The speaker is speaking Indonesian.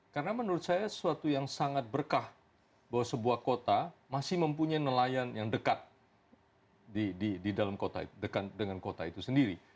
karena menurut saya suatu yang sangat berkah bahwa sebuah kota masih mempunyai nelayan yang dekat di dalam kota dekat dengan kota itu sendiri